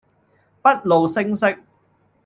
不露聲色